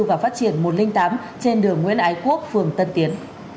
và phát triển một trăm linh tám trên đường nguyễn ái quốc phường tân tiến